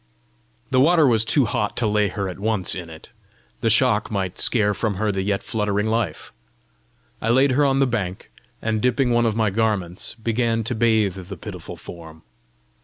The water was too hot to lay her at once in it: the shock might scare from her the yet fluttering life! I laid her on the bank, and dipping one of my garments, began to bathe the pitiful form.